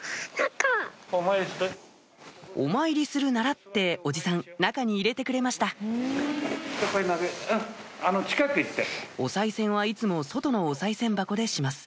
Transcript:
お参りするならっておじさん中に入れてくれましたおさい銭はいつも外のおさい銭箱でします